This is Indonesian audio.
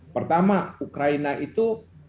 pertama ukraina itu